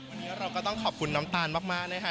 วันนี้เราก็ต้องขอบคุณน้ำตาลมากนะคะ